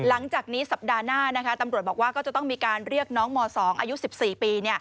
หลังจากนี้สัปดาห์หน้าตำรวจบอกว่าก็จะต้องมีการเรียกน้องม๒อายุ๑๔ปี